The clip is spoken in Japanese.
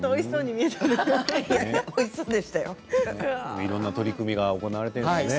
いろんな取り組みが行われているんですね。